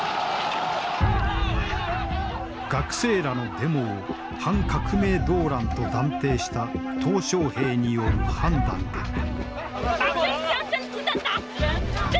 学生らのデモを反革命動乱と断定した小平による判断だった。